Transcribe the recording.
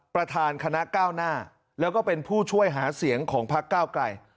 ประธานคณะก้าวหน้าแล้วก็เป็นผู้ช่วยหาเสียงของพักเก้าไกล